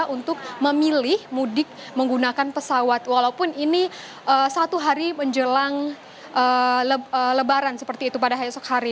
dan mereka memilih mudik menggunakan pesawat walaupun ini satu hari menjelang lebaran seperti itu pada besok hari